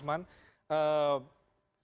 saya tanyakan ke pak usman